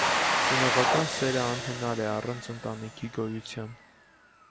Ծնողական սերը անհնար է առանց ընտանիքի գոյության։